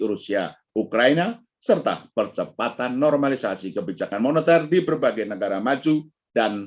rusia ukraina serta percepatan normalisasi kebijakan moneter di berbagai negara maju dan